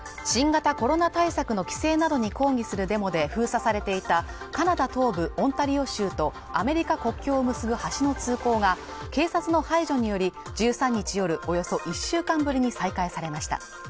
新型コロナ対策の規制などに抗議するデモで封鎖されていたカナダ東部オンタリオ州とアメリカ国境を結ぶ橋の通行が警察の排除により１３日夜およそ１週間ぶりに再開されました